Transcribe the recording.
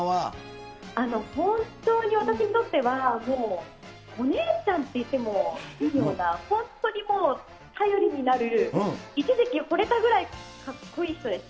本当に、私にとっては、もうお姉ちゃんって言ってもいいような、本当にもう頼りになる、一時期、ほれたぐらいかっこいい人でした。